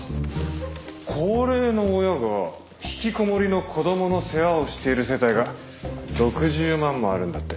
高齢の親が引きこもりの子供の世話をしている世帯が６０万もあるんだって。